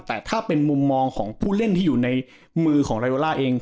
แต่ถ้าเป็นมุมมองของผู้เล่นที่อยู่ในมือของรายโดล่าเอง